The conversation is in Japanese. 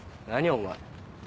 お前。